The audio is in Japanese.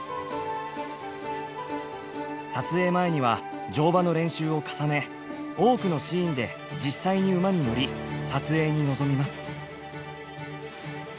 撮影前には乗馬の練習を重ね多くのシーンで実際に馬に乗り撮影に臨みます。